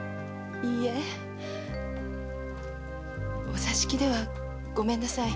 お座敷ではごめんなさい。